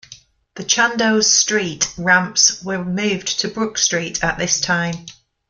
The Chandos Street ramps were moved to Brook Street at this time.